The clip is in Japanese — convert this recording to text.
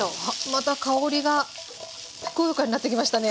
また香りがふくよかになってきましたね。